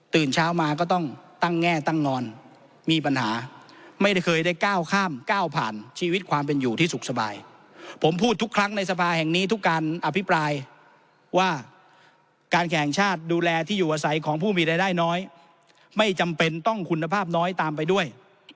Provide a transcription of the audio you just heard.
เช้ามาก็ต้องตั้งแง่ตั้งงอนมีปัญหาไม่ได้เคยได้ก้าวข้ามก้าวผ่านชีวิตความเป็นอยู่ที่สุขสบายผมพูดทุกครั้งในสภาแห่งนี้ทุกการอภิปรายว่าการแข่งชาติดูแลที่อยู่อาศัยของผู้มีรายได้น้อยไม่จำเป็นต้องคุณภาพน้อยตามไปด้วย